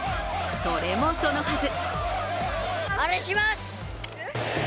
それもそのはず。